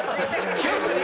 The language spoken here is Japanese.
急に？